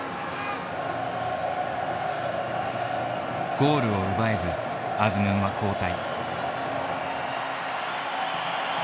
ゴールを奪えずアズムンは交代。